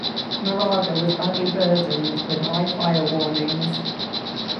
Moraga was badly burdened, with high fire warnings.